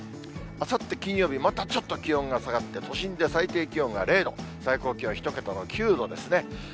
あさって金曜日、またちょっと気温が下がって、都心で最低気温が０度、最高気温１桁の９度ですね。